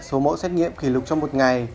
số mẫu xét nghiệm kỷ lục trong một ngày